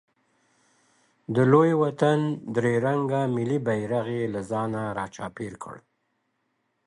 د لوی وطن درې رنګه ملي بیرغ یې له ځانه راچاپېر کړ.